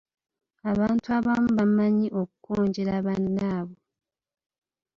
Abantu abamu bamanyi okukonjera bannaabwe;